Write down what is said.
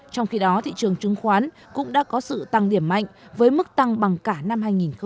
trong khi đó thị trường trứng khoán cũng đã có sự tăng điểm mạnh với mức tăng bằng cả năm hai nghìn hai mươi ba